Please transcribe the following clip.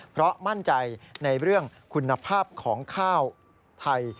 เพราะมั่นใจในเรื่องคุณภาพของข้าวไทย